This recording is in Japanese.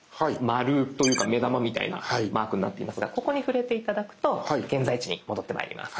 丸というか目玉みたいなマークになっていますがここに触れて頂くと現在地に戻ってまいります。